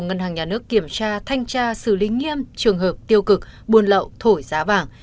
ngân hàng nhà nước kiểm tra thanh tra xử lý nghiêm trường hợp tiêu cực buôn lậu thổi giá vàng